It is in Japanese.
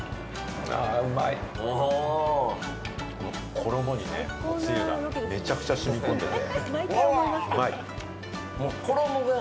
衣につゆがめちゃくちゃ染み込んでる。